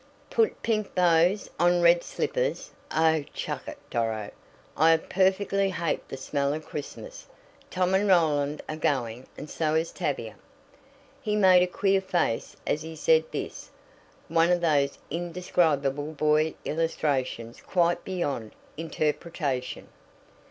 "Put pink bows on red slippers! Oh, chuck it, Doro! I perfectly hate the smell of Christmas. Tom and Roland are going, and so is Tavia." He made a queer face as he said this one of those indescribable boy illustrations quite beyond interpretation.